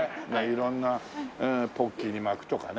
色んなポッキーに巻くとかね。